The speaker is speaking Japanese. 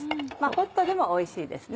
ホットでもおいしいですね。